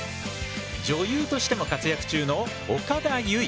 女優としても活躍中の岡田結実。